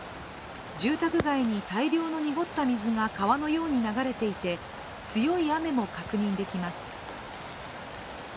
住宅街に大量の濁った水が川のように流れていて、強い雨も確認できます。